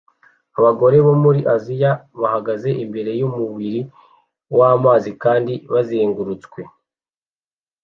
Abagore bo muri Aziya bahagaze imbere yumubiri wamazi kandi bazengurutswe